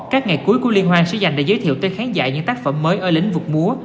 các ngày cuối của liên hoan sẽ dành để giới thiệu tới khán giả những tác phẩm mới ở lĩnh vực múa